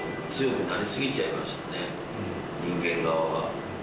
人間側は。